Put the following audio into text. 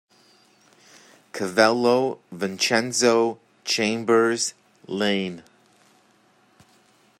Cavallo, Vincenzo; Chambers, Iain.